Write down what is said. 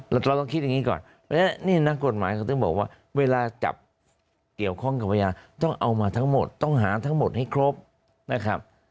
เราต้องคิดอย่างนี้ก่อนเพราะฉะนั้นนี่นักกฎหมายเขาถึงบอกว่าเวลาจับเกี่ยวข้องกับพยานต้องเอามาทั้งหมดต้องหาทั้งหมดให้ครบนะครับ